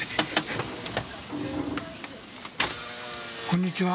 こんにちは。